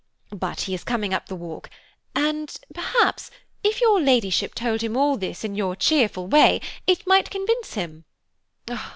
But he is coming up the walk, and, perhaps, if your Ladyship told him all this in your cheerful way it might convince him.